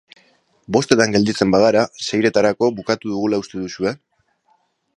Bostetan gelditzen bagara, seietarako bukatuko dugula uste duzue?